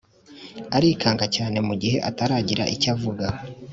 arikanga cyane mugihe ataragira icyavuga